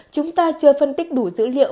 chúng ta chưa phân tích đủ dữ liệu